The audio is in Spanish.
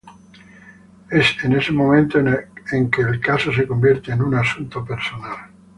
Es en ese momento en que el caso se convierte en un asunto personal.